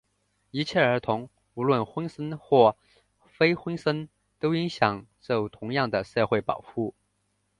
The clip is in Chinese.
一切儿童,无论婚生或非婚生,都应享受同样的社会保护。